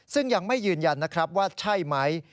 ซึ่งยังไม่ยืนยันนะครับว่าใช่ไหม